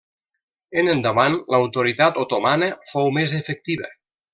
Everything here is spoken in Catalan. En endavant l'autoritat otomana fou més efectiva.